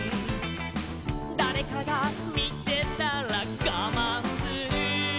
「だれかがみてたらがまんする」